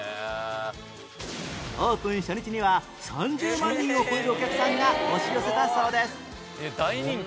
オープン初日には３０万人を超えるお客さんが押し寄せたそうです